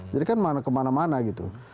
jadi kan kemana mana gitu